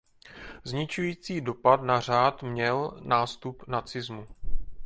Zničující dopad na řád měl nástup nacismu.